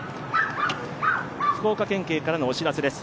福岡県警からのお知らせです。